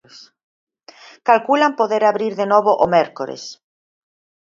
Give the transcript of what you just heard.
Calculan poder abrir de novo o mércores.